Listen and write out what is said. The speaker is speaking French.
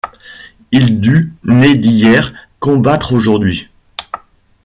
Il dut, né d’hier, combattre aujourd’hui.